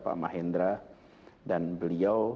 pak mahendra dan beliau